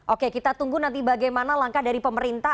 oke kita tunggu nanti bagaimana langkah dari pemerintah